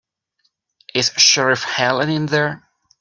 Is Sheriff Helen in there?